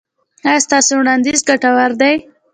ایا ستاسو وړاندیز ګټور دی؟